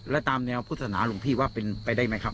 แล้วตามแนวพุทธศนาหลวงพี่ว่าเป็นไปได้ไหมครับ